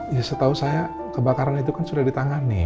ya setahu saya kebakaran itu kan sudah ditangani